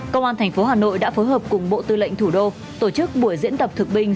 công an tp hà nội đã phối hợp cùng bộ tư lệnh thủ đô tổ chức buổi diễn tập thực binh